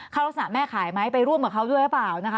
ลักษณะแม่ขายไหมไปร่วมกับเขาด้วยหรือเปล่านะคะ